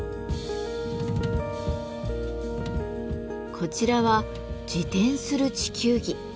こちらは自転する地球儀。